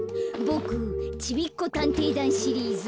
ボク「ちびっこたんてい団」シリーズ